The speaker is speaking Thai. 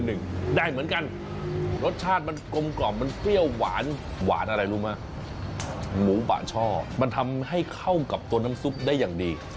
ได้เหมือนกันรสชาติมันกลมกล่อมมันเปรี้ยวหวานหวานอะไรรู้ไหมหมูบะช่อมันทำให้เข้ากับตัวน้ำซุปได้อย่างดี